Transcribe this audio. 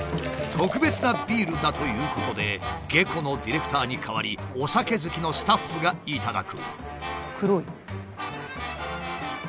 特別なビールだということで下戸のディレクターに代わりお酒好きのスタッフが頂く。